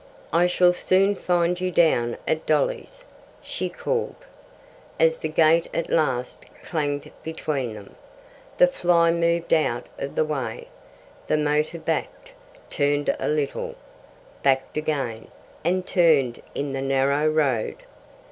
"I shall soon find you down at Dolly's," she called, as the gate at last clanged between them. The fly moved out of the way, the motor backed, turned a little, backed again, and turned in the narrow road.